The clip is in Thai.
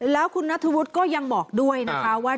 แล้วคุณนัทธวุฒิก็ยังบอกด้วยนะคะว่า